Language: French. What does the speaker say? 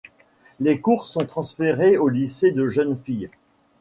Les cours sont transférés au lycée de jeunes filles.